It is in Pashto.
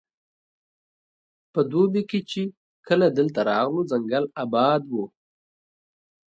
په دوبي کې چې کله دلته راغلو ځنګل اباد وو.